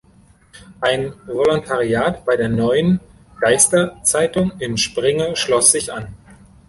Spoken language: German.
Ein Volontariat bei der Neuen Deister-Zeitung in Springe schloss sich an.